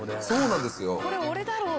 そうなんですよ。